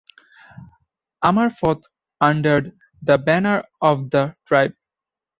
Amr fought under the banner of the tribe.